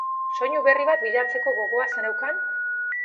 Soinu berri bat bilatzeko gogoa zeneukan?